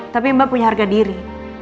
tapi mbak punya harga diri